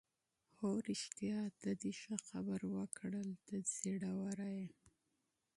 هو رښتیا، ته دې ښه خبره وکړل، ته زړوره یې.